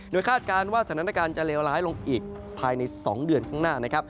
โดยคาดการณ์ว่าสถานการณ์จะเลวร้ายลงอีกภายใน๒เดือนข้างหน้านะครับ